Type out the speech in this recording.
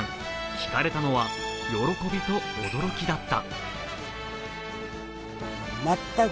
聞かれたのは喜びと驚きだった。